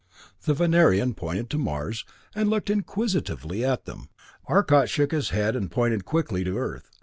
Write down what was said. The Venerian pointed to Mars and looked inquisitively at them. Arcot shook his head and pointed quickly to Earth.